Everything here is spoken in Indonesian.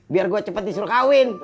biar gue cepat disuruh kawin